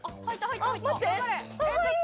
入った。